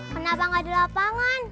kenapa gak di lapangan